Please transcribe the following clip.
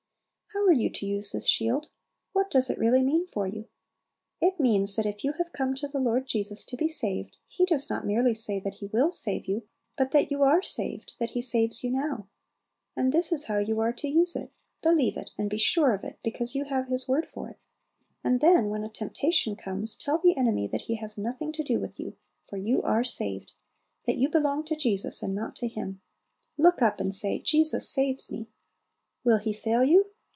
How are you to use this shield? what does it really mean for you? It means, that if you have come to the Lord Jesus to be saved, He does not merely say He will save you, but that you are saved, that He saves you now. And this is how you are to use it believe it, and be sure of it, because you have His word for it; and then, when a temptation comes, tell the enemy that he has nothing to do with you, for you are saved; that you belong to Jesus, and not to him, look up and say, "Jesus saves me!" Will He fail you?